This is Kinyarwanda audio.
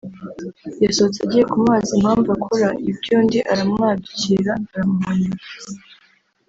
yasohotse agiye kumubaza impamvu akora ibyo undi aramwadukira aramuhonyora